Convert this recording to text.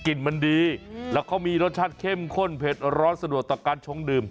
มันดีแล้วเขามีรสชาติเข้มข้นเผ็ดร้อนสะดวกต่อการชงดื่ม